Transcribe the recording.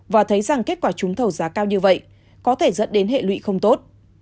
và thấy rằng kết quả trúng thầu giá cao như vậy có thể dẫn đến hệ lụy không tốt